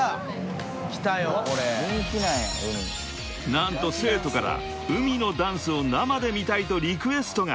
［何と生徒からＵＭＩのダンスを生で見たいとリクエストが］